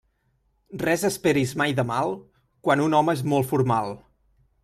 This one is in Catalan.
Res esperis mai de mal, quan un home és molt formal.